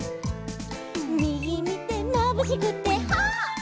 「みぎみてまぶしくてはっ」